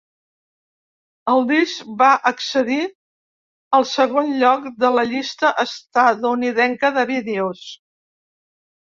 El disc va accedir al segon lloc de la llista estatunidenca de vídeos.